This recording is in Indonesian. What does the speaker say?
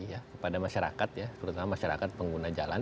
kepada masyarakat terutama masyarakat pengguna jalan